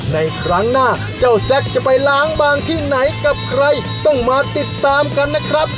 ในครั้งหน้าเจ้าแซ็กจะไปล้างบางที่ไหนกับใครต้องมาติดตามกันนะครับ